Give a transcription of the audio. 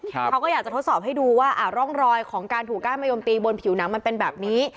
เขาก็อยากจะทดสอบให้ดูว่าร่องรอยของการถูกก้านมะยมตีบนผิวหนังมันเป็นแบบนี้